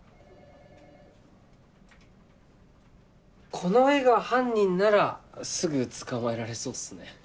この絵が犯人ならすぐ捕まえられそうっすね。